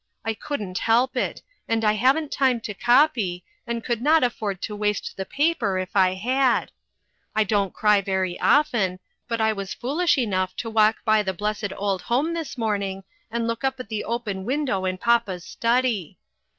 I couldn't help it, and I haven't time to copy, and could not afford to waste the paper, if I had. I don't cry very often, A FAMILY SECRET. 433 but I was foolish enough to walk by the blessed old home this morning, and look up at the open window in papa's study